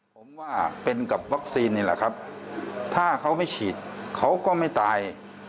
ผมว่าเป็นกับวัคซีนนี่แหละครับถ้าเขาไม่ฉีดเขาก็ไม่ตาย